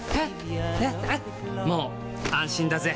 もう安心だぜ！